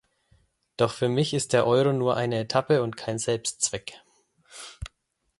Doch für mich ist der Euro nur eine Etappe und kein Selbstzweck.